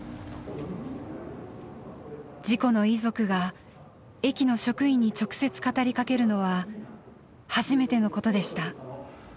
事故の遺族が駅の職員に直接語りかけるのは初めてのことでした。